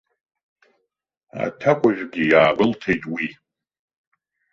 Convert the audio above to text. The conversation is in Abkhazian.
Аҭакәажәгьы иаагәалҭеит уи.